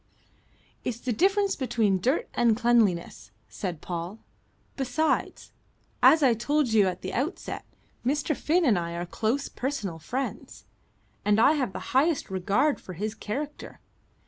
"It's the difference between dirt and cleanliness," said Paul. "Besides, as I told you at the outset, Mr. Finn and I are close personal friends, and I have the highest regard for his character.